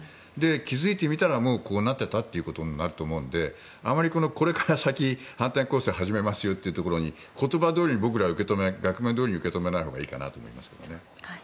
気付いてみたらもうこうなってたとなると思うのであまりこれから先、反転攻勢始めますよっていうところに言葉どおり、額面どおりに僕らは受け止めないほうがいいかなと思いますけどね。